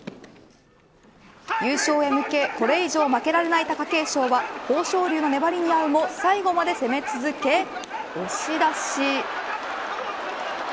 優勝へ向けこれ以上負けられない貴景勝は豊昇龍の粘りに遭うも最後まで攻め続け、押し出し。